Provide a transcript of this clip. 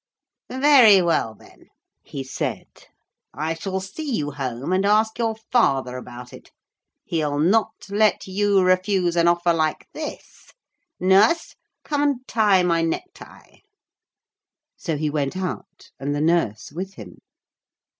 'Very well, then,' he said, 'I shall see you home, and ask your father about it. He'll not let you refuse an offer like this. Nurse, come and tie my necktie.' So he went out, and the nurse with him.